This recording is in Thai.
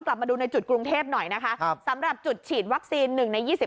มาดูในจุดกรุงเทพหน่อยนะคะสำหรับจุดฉีดวัคซีน๑ใน๒๐